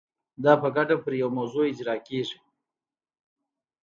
دا په ګډه په یوه موضوع اجرا کیږي.